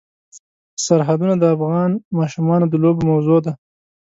سرحدونه د افغان ماشومانو د لوبو موضوع ده.